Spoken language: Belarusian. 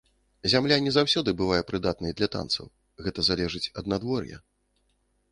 Зямля не заўсёды бывае прыдатнай для танцаў, гэта залежыць ад надвор'я.